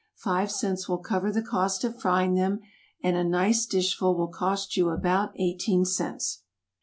Five cents will cover the cost of frying them; and a nice dishful will cost you about eighteen cents.